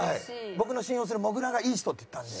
僕の信用するもぐらがいい人って言ったので。